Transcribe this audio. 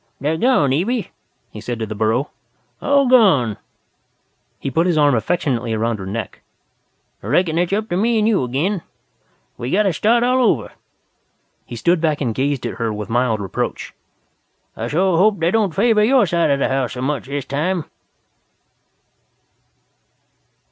"They're gone, Evie," he said to the burro, "all gone." He put his arm affectionately around her neck. "I reckon it's up to me and you agin. We got to start all over." He stood back and gazed at her with mild reproach. "I shore hope they don't favor your side of the house so much this time."